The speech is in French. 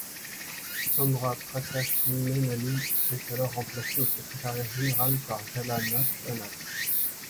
Chandra Prakash Mainali est alors remplacé, au secrétariat général, par Jhala Nath Khanal.